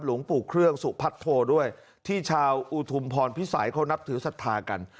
หลวงปู่เครื่องสุพัทโทด้วยที่ชาวอุทุมพรพิสัยเขานับถือศรัทธากัน